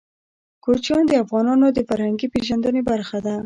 کوچیان د افغانانو د فرهنګي پیژندنې برخه ده.